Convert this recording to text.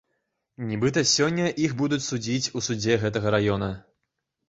Нібыта, сёння іх будуць судзіць у судзе гэтага раёна.